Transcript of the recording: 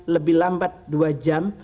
lebih lambat dua jam